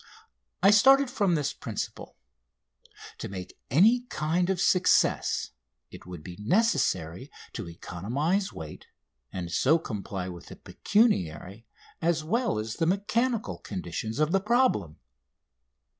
I started from this principle: To make any kind of success it would be necessary to economise weight, and so comply with the pecuniary, as well as the mechanical, conditions of the problem.